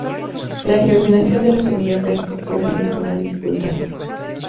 La germinación de la semilla fresca ocurre sin ninguna dificultad.